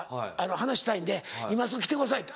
話したいんで今すぐ来てください」って。